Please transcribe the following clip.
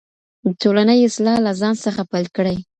د ټولني اصلاح له ځان څخه پیل کړئ.